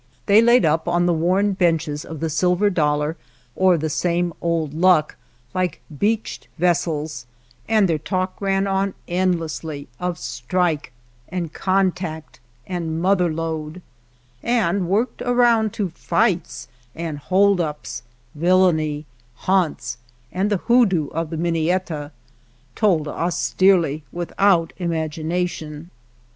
They laid up on the worn benches of the Silver Dollar or the Same Old Luck like beached vessels, and their talk ran on endlessly of " strike " and " contact " and " mother lode," and worked around to fights and hold ups, villainy, haunts, and the hoodoo of the Minietta, told austerely without imagination.